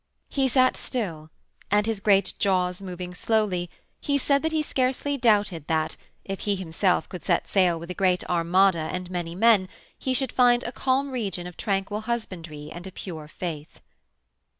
He sat still, and, his great jaws moving slowly, he said that he scarcely doubted that, if he himself could set sail with a great armada and many men, he should find a calm region of tranquil husbandry and a pure faith.